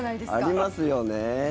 ありますよね。